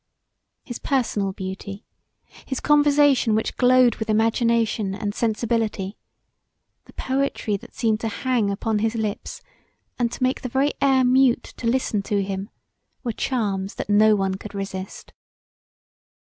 His personal beauty; his conversation which glowed with imagination and sensibility; the poetry that seemed to hang upon his lips and to make the very air mute to listen to him were charms that no one could resist.